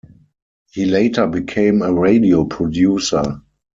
He later became a radio producer.